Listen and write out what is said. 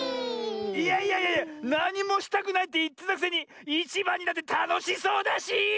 いやいやいやなにもしたくないっていってたくせにいちばんになってたのしそうだし！